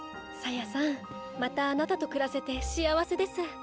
サヤさんまたあなたと暮らせて幸せです。